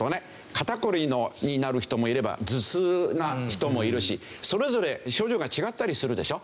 肩凝りになる人もいれば頭痛な人もいるしそれぞれ症状が違ったりするでしょ？